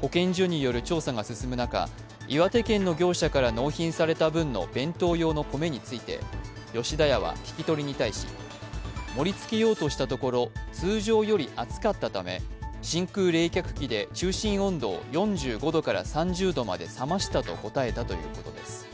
保健所による調査が進む中、岩手県の業者から納品された分の弁当用の米について吉田屋は聞き取りに対し、盛り付けようとしたところ、通常より熱かったため、真空冷却機で中心温度を４５度から３０度まで冷ましたと答えたということです。